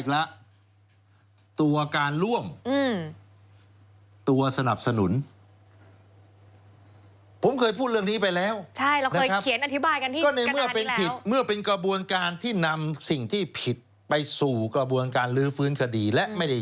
แล้วถ้าเกิดว่ามันผิดแบบนี้แขนขาต้องโดนด้วยไหม